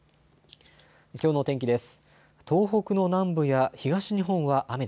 きょうの天気です。